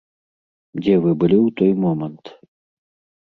Дзе вы былі ў той момант?